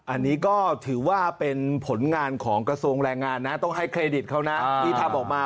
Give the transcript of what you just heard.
อันนี้ก็ถือว่าเป็นผลงานของกระทรวงแรงงานนะต้องให้เครดิตเขานะที่ทำออกมา